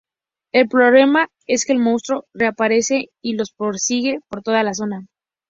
El problema es que el monstruo reaparece y los persigue por toda la zona.